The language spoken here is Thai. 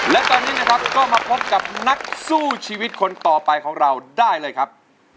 และตอนนี้นะครับก็มาพบกับนักสู้ชีวิตคนต่อไปของเราได้เลยครับ